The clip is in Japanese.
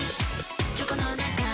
チョコの中